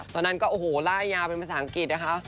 ตอนนั้นก็โอ้โหไล่ยาวเป็นภาษาอังกฤษนะคะ